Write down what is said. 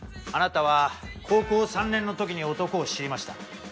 あなたは高校３年の時に男を知りました。